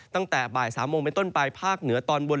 ตั้งแต่บ่าย๓โมงไปต้นไปภาคเหนือตอนบน